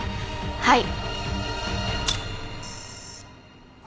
はい。